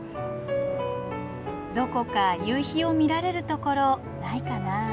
どこか夕日を見られるところないかな。